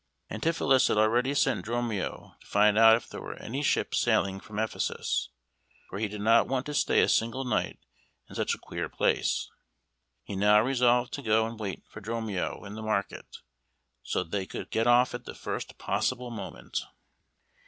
Antipholus had already sent Dromio to find out if there were any ship sailing from Ephesus, for he did not want to stay a single night in such a queer place. He now resolved to go and wait for Dromio in the market, so that they could get off at the first possible moment.